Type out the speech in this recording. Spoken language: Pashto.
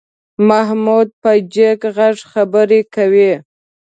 محمود په جګ غږ خبرې کوي.